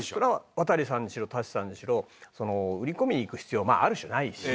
渡さんにしろ舘さんにしろ売り込みに行く必要ある種ないし。